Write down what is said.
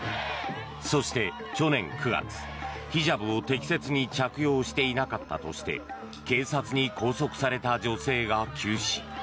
そして去年９月、ヒジャブを適切に着用していなかったとして警察に拘束された女性が急死。